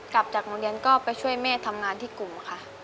กลับจากโรงเรียนก็ไปช่วยแม่ทำงานที่กลุ่มค่ะ